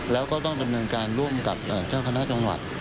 แล้วก็ต้องดำเนินการร่วมกับเจ้าคณะจังหวัด